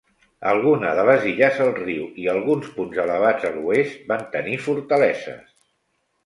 Alguna de les illes al riu i alguns punts elevats a l'oest van tenir fortaleses.